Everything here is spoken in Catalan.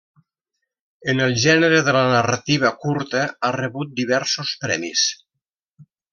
En el gènere de la narrativa curta ha rebut diversos premis.